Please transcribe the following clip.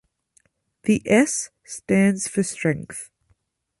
The S stands for "Strength".